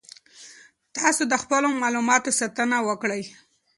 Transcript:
تاسو د خپلو معلوماتو ساتنه وکړئ.